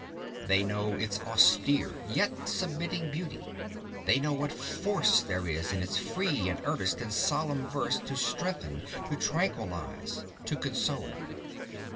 They know its austere yet submitting beauty; they know what force there is in its free and earnest and solemn verse to strengthen, to tranquillize, to console.